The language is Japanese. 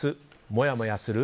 もやもやする？